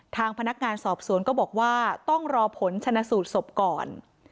ทางพนักงานสอบสวนก็บอกว่าต้องรอผลชนะสูตรศพก่อน